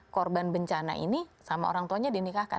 korban bencana ini sama orang tuanya dinikahkan